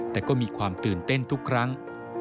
แต่ก็มีความตื่นเต้นทุกครั้ง